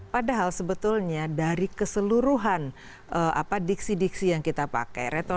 padahal sebetulnya dari keseluruhan diksi diksi yang kita pakai